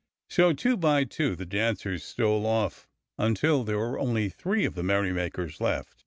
So two by two the dancers stole off, until there were only three of the merrymakers left.